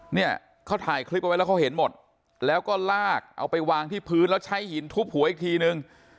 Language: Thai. เนี่ยเขาถ่ายคลิปเอาไว้แล้วเขาเห็นหมดแล้วก็ลากเอาไปวางที่พื้นแล้วใช้หินทุบหัวอีกทีนึง